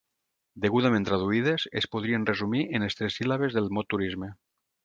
Degudament traduïdes, es podrien resumir en les tres síl·labes del mot turisme.